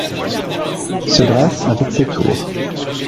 Se dresse avec ses tours